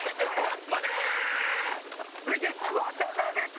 続いて渡辺君。